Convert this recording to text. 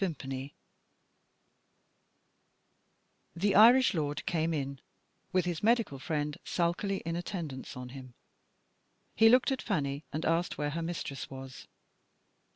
VIMPANY THE Irish lord came in with his medical friend sulkily in attendance on him. He looked at Fanny, and asked where her mistress was.